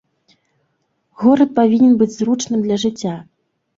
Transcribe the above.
Горад павінен быць зручным для жыцця.